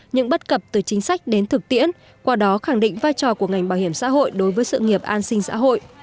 những bất cập từ chính sách đến thực tiễn qua đó khẳng định vai trò của ngành bảo hiểm xã hội đối với sự nghiệp an sinh xã hội